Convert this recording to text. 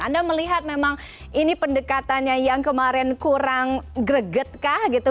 anda melihat memang ini pendekatannya yang kemarin kurang greget kah gitu